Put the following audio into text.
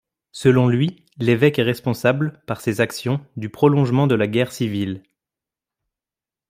Selon lui, l'évêque est responsable, par ses actions, du prolongement de la guerre civile.